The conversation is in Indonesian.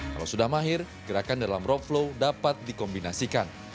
kalau sudah mahir gerakan dalam rope flow dapat dikombinasikan